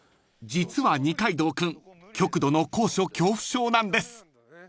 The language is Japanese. ［実は二階堂君極度の高所恐怖症なんです］